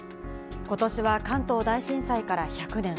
ことしは関東大震災から１００年。